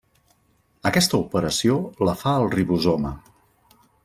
Aquesta operació la fa el ribosoma.